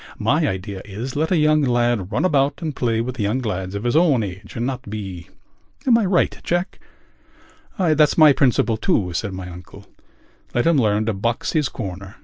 My idea is: let a young lad run about and play with young lads of his own age and not be.... Am I right, Jack?" "That's my principle, too," said my uncle. "Let him learn to box his corner.